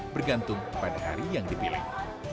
bergantung pada hari yang dipilih